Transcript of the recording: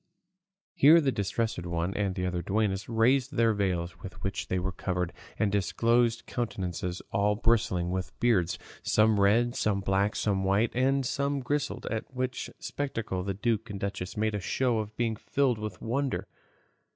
Here the Distressed One and the other duennas raised the veils with which they were covered, and disclosed countenances all bristling with beards, some red, some black, some white, and some grizzled, at which spectacle the duke and duchess made a show of being filled with wonder.